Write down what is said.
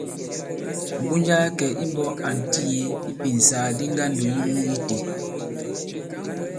Mbunja a kɛ̀ imbɔ̄k ànti yě ipìnsàgàdi ŋgandò yi mû itē.